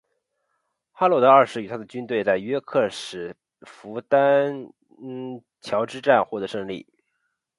哈洛德二世与他的军队在约克的史丹福德桥之战获得胜利。